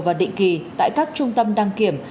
và định kỳ tại các trung tâm đăng kiểm